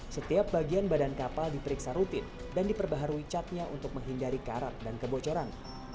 setiap bagian badan kapal diperiksa rutin dan diperbaharui catnya untuk menghindari karat dan kebocoran